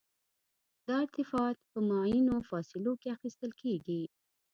دا ارتفاعات په معینو فاصلو کې اخیستل کیږي